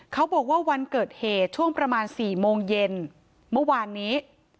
เขาบอกว่าวันเกิดเหตุช่วงประมาณ๔โมงเย็นเมื่อวานนี้